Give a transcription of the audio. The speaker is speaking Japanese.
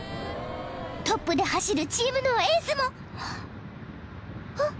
［トップで走るチームのエースもおっ］